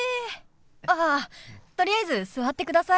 あっとりあえず座ってください。